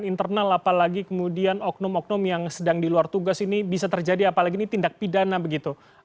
dan internal apalagi kemudian oknum oknum yang sedang di luar tugas ini bisa terjadi apalagi ini tindak pidana begitu